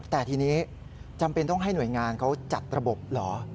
แต่ทีนี้จำเป็นต้องให้หน่วยงานเขาจัดระบบเหรอ